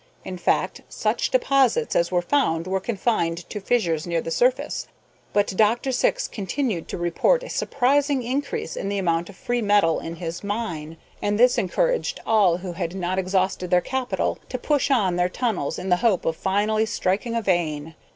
In fact, such deposits as were found were confined to fissures near the surface. But Dr. Syx continued to report a surprising increase in the amount of free metal in his mine, and this encouraged all who had not exhausted their capital to push on their tunnels in the hope of finally striking a vein.